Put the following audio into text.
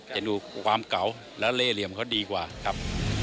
จะดูความเก่าและเล่เหลี่ยมเขาดีกว่าครับ